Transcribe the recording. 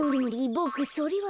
ボクそれはむり。